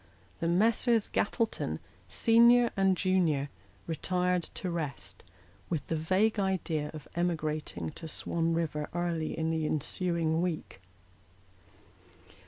The Messrs. Gattleton, senior and junior, retired to rest, with the vague idea of emigrating to Swan Eiver early in the ensuing week.